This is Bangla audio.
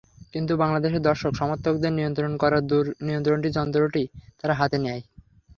কিন্তু বাংলাদেশের দর্শক-সমর্থকদের নিয়ন্ত্রণ করার দূর নিয়ন্ত্রণ যন্ত্রটি তাঁর হাতে নেই।